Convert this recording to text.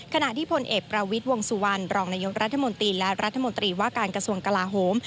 ขณะที่พลเอกประวิทย์วงสุวรรณรองนายกรัฐมนตรีและรัฐมนตรีว่าการกระทรวงกลาโฮม